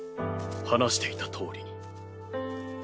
話していたとおりに。